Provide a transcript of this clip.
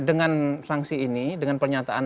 dengan sanksi ini dengan pernyataan